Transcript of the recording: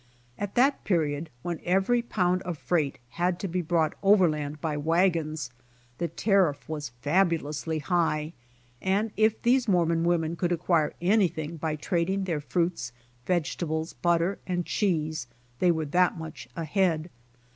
At that period when every pound of freight had to be brought overland by wagons, the tariff was fabulously high, and if these Mormon women could acquire anything by trading their fruits, vegetables, butter and cheese, they were that much ahead.